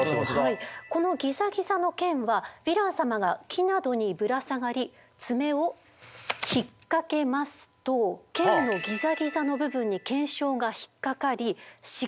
このギザギザの腱はヴィラン様が木などにぶら下がり爪を引っ掛けますと腱のギザギザの部分に腱鞘が引っ掛かりしっかりロックします。